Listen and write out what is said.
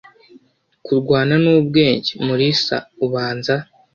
Kurwana nubwenge, Mulisa ubanza